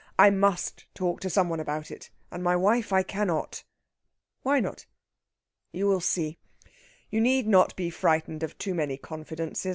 "I must talk to some one about it. And my wife I cannot...." "Why not?" "You will see. You need not be frightened of too many confidences.